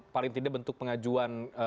paling tidak bentuk pengajuan